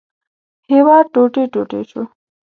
هېواد ټوټې ټوټې شو.